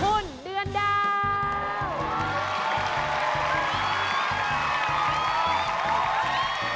คุณเดือนดาว